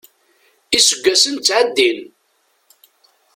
Iseggasen ttɛeddin.